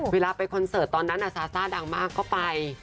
เวลาไปคอนเสิร์ตตอนนั้นซาซ่าดังมากก็ไป